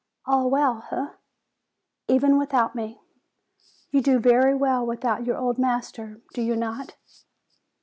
All well, eh? Even without me? You do very well without your old master, do you not?"